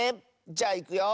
じゃあいくよ。